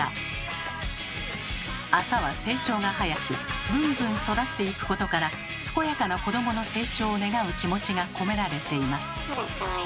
麻は成長が早くグングン育っていくことから健やかな子どもの成長を願う気持ちが込められています。